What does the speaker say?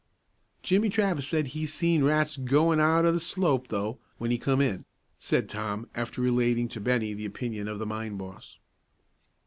"Jimmie Travis said he seen rats goin' out o' the slope, though, when he come in," said Tom, after relating to Bennie the opinion of the mine boss.